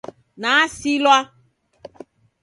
Nasilwa.